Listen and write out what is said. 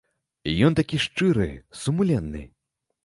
Ён такі шчыры, сумленны.